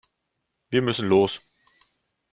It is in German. Wir müssen los.